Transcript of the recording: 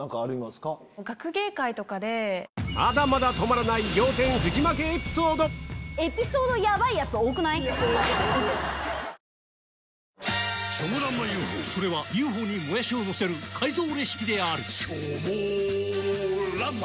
まだまだ止まらないチョモランマＵ．Ｆ．Ｏ．それは「Ｕ．Ｆ．Ｏ．」にもやしをのせる改造レシピであるチョモランマ